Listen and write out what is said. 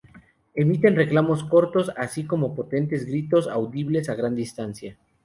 Emiten reclamos cortos, así como potentes gritos, audibles a gran distancia.